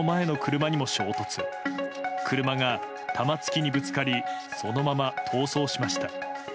車が玉突きにぶつかりそのまま逃走しました。